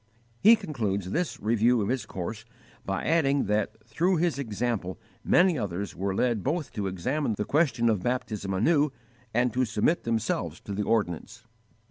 He concludes this review of his course by adding that through his example many others were led both to examine the question of baptism anew and to submit themselves to the ordinance.